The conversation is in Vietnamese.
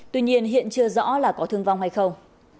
tuy nhiên hiện chưa rõ là có thương vong hay không